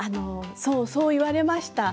そう言われました。